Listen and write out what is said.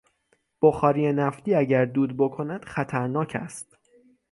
بخاری نفتی اگر دود بکند خطر ناک است.